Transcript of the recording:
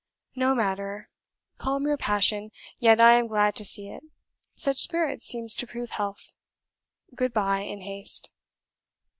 No matter. Calm your passion; yet I am glad to see it. Such spirit seems to prove health. Good bye, in haste.